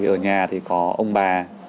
ở nhà thì có ông bà